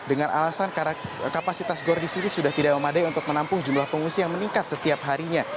dengan alasan karena kapasitas gor di sini sudah tidak memadai untuk menampung jumlah pengungsi yang meningkat setiap harinya